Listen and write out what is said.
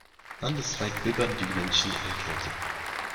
Landesweit bibbern die Menschen in der Kälte.